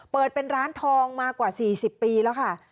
เปิดเป็นร้านทองมากว่า๔๐ปีแล้วค่ะ